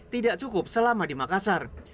tidak cukup selama di makassar